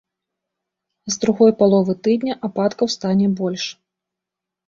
З другой паловы тыдня ападкаў стане больш.